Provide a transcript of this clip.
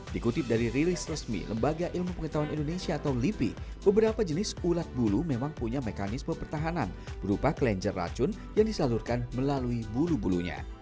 dikutip dari rilis resmi lembaga ilmu pengetahuan indonesia atau lipi beberapa jenis ulat bulu memang punya mekanisme pertahanan berupa kelenjer racun yang disalurkan melalui bulu bulunya